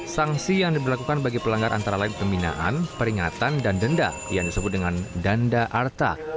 sanksi yang diberlakukan bagi pelanggar antara lain pembinaan peringatan dan denda yang disebut dengan danda arta